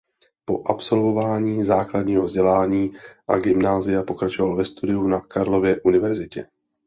Po absolvování základního vzdělání a gymnázia pokračoval ve studiu na Karlově univerzitě.